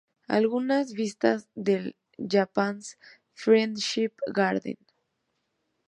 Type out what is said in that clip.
Algunas vistas del "Japanese Friendship Garden".